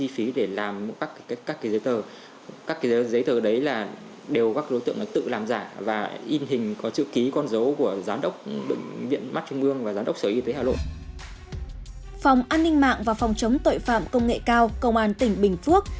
phòng an ninh mạng và phòng chống tội phạm công nghệ cao công an tỉnh bình phước